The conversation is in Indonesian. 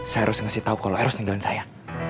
saya harus ngasih tau kalau harus ninggalin saya